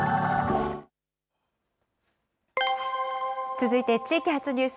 続いて地域発ニュース。